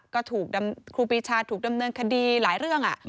ก็ถูกครูปีชาถูกดำเนินคดีหลายเรื่อง